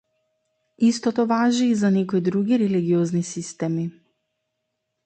Истото важи и за некои други религиозни системи.